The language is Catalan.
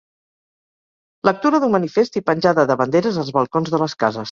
Lectura d'un manifest i penjada de banderes als balcons de les cases.